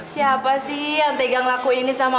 siapa sih yang tegang laku ini sama lo